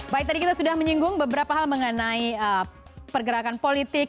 baik tadi kita sudah menyinggung beberapa hal mengenai pergerakan politik